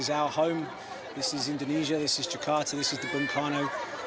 ini adalah rumah kita ini adalah indonesia ini adalah jakarta ini adalah bung karno